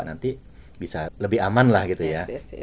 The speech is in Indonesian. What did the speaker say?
nanti bisa lebih aman lah gitu ya